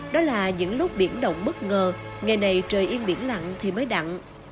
đó là những lúc biển động bất ngờ ngày này trời yên biển lặng thì mới đặn